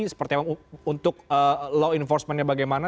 seperti apa untuk law enforcement nya bagaimana